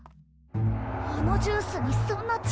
あのジュースにそんな力が！？